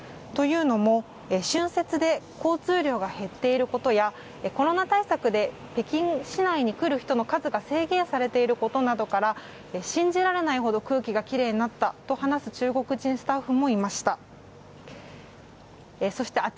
というのも、春節で交通量が減っていることやコロナ対策で北京市内に来る人の数が制限されていることなどから信じられないほど空気が奇麗になったと話す中国人スタッフもいました。